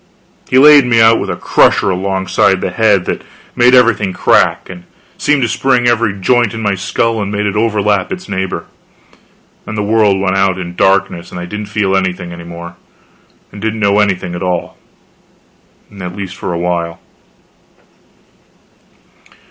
He laid me out with a crusher alongside the head that made everything crack, and seemed to spring every joint in my skull and made it overlap its neighbor. Then the world went out in darkness, and I didn't feel anything more, and didn't know anything at all at least for a while.